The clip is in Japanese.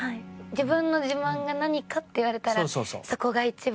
自分の自慢が何かっていわれたらそこが一番。